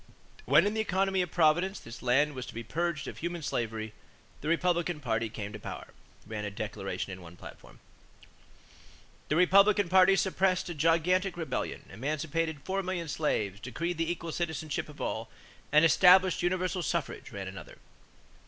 "When in the economy of Providence, this land was to be purged of human slavery ... the Republican party came into power," ran a declaration in one platform. "The Republican party suppressed a gigantic rebellion, emancipated four million slaves, decreed the equal citizenship of all, and established universal suffrage," ran another.